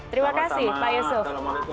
terima kasih pak yusuf